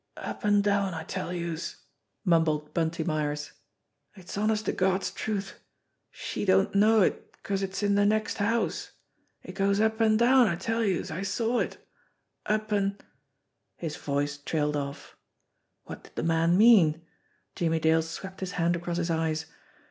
"Up an' down, I tell youse !" mumbled Bunty Myers. "It's honest to Gawd's truth. She don't know it, 'cause it's in de next house. It goes up an' down, I tell youse. I saw it. Up an' " His voice trailed off. What did the man mean? Jimmie Dale swept his hand across his eyes.